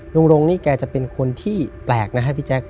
รงนี่แกจะเป็นคนที่แปลกนะครับพี่แจ๊ค